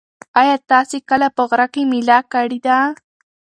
ایا تاسي کله په غره کې مېله کړې ده؟